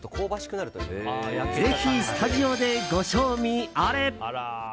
ぜひスタジオでご賞味あれ。